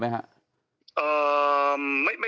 พี่หนุ่ม